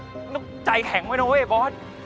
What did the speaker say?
ต้องใจแข็งไหมนะเว้ยบอส